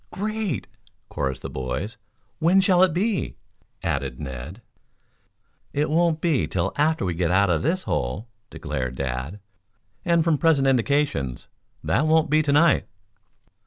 "Great," chorused the boys. "When shall it be?" added Ned. "It won't be till after we get out of this hole," declared Dad. "And from present indications, that won't be to night."